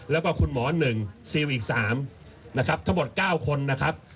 แล้วก็คุณหมอ๑ซิลอีก๓นะครับทั้งหมด๙คนนะครับ